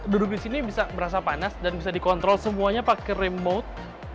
duduk di sini bisa merasa panas dan bisa dikontrol semuanya pakai remote